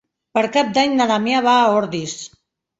Per Cap d'Any na Damià va a Ordis.